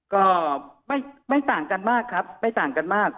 ก็ไม่ต่างกันมากครับไม่ต่างกันมาก